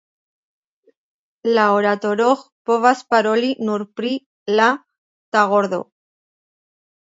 La oratoroj povas paroli nur pri la tagordo.